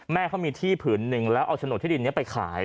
แม่เขามีที่ผืนหนึ่งแล้วเอาโฉนดที่ดินนี้ไปขาย